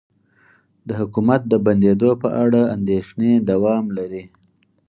د حکومت د بندیدو په اړه اندیښنې دوام لري